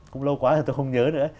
cũng lâu quá rồi tôi không nhớ nữa